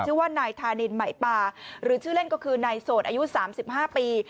ชื่อว่านายธานินไหมปาหรือชื่อเล่นก็คือนายโสดอายุ๓๕ปี